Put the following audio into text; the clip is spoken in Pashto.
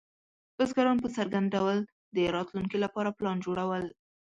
بزګران په څرګند ډول د راتلونکي لپاره پلان جوړول.